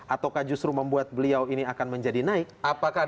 ataukah justru membuat beliau ini akan menjadi naik